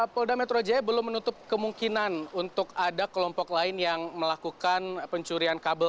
polda metro jaya belum menutup kemungkinan untuk ada kelompok lain yang melakukan pencurian kabel